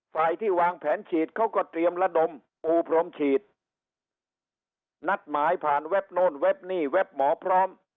ฝ่ายที่วางแผนฉีดเขาก็เตรียมระดมปูพรมฉีดนัดหมายผ่านเว็บโน่นเว็บนี่เว็บหมอพร้อม